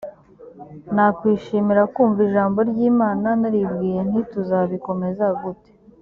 nakwishimira kumva ijambo ry imana naribwiye nti tuzabikomeza gute